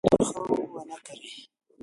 د بې نظمۍ تخم يې ونه کره.